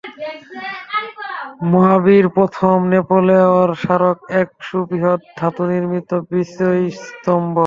মহাবীর প্রথম ন্যাপোলেঅঁর স্মারক এক সুবৃহৎ ধাতুনির্মিত বিজয়স্তম্ভ।